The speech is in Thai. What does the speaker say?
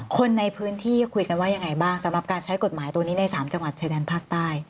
คนในพื้นที่คุยกันว่ายังไงบ้างสำหรับการใช้กฎหมายตัวนี้ใน๓จังหวัดชายแดนภาคใต้